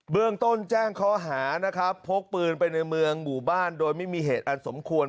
เรื่องต้นแจ้งข้อหานะครับพกปืนไปในเมืองหมู่บ้านโดยไม่มีเหตุอันสมควร